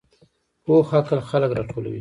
پوخ عقل خلک راټولوي